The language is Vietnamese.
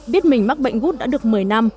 biết mình mắc bệnh gút đã được một mươi năm